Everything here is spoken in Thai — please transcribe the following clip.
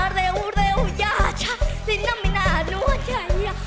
เร็วเร็วยาชะที่น้ำไม่นานวนใย